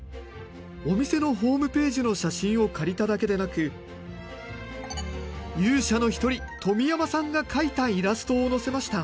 お店のホームページの写真を借りただけでなく勇者の一人富山さんが描いたイラストをのせました。